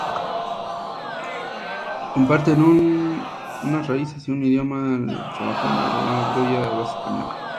Comparten unas raíces y un idioma, el chabacano, una lengua criolla de base española.